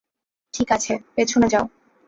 ঠিক আছে, পেছনে যাও।